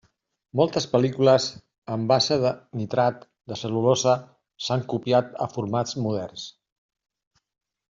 Moltes pel·lícules en base de nitrat de cel·lulosa s'han copiat a formats moderns.